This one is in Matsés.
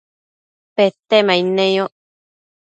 Petemaid neyoc